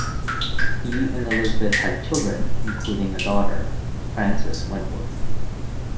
He and Elizabeth had children, including a daughter, Frances Wentworth.